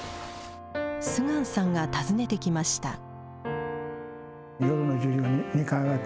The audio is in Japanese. スグァンさんが訪ねてきました。